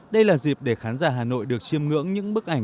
đây là dịp để khán giả hà nội được chiêm ngưỡng những bức ảnh